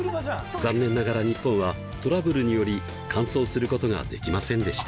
残念ながら日本はトラブルにより完走することができませんでした。